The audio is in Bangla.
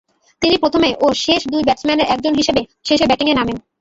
তিনি প্রথমে ও শেষ দুই ব্যাটসম্যানের একজন হিসেবে শেষে ব্যাটিংয়ে নামেন।